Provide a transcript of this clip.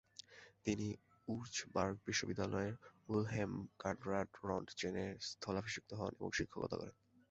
তিনি উর্জবার্গ বিশ্ববিদ্যালয়ে উইলহেল্ম কনরাড রন্টজেনের স্থলাভিষিক্ত হন এবং শিক্ষকতা করেন।